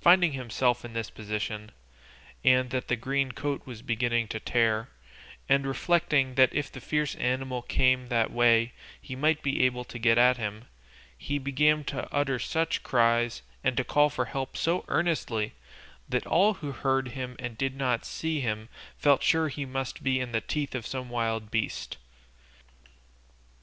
Finding himself in this position, and that the green coat was beginning to tear, and reflecting that if the fierce animal came that way he might be able to get at him, he began to utter such cries, and call for help so earnestly, that all who heard him and did not see him felt sure he must be in the teeth of some wild beast.